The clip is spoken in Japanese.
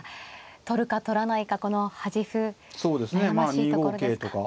取るか取らないかこの端歩悩ましいところですか。